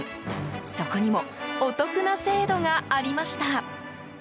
そこにもお得な制度がありました。